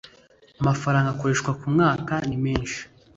amafaranga akoreshwa ku mwaka ni menshi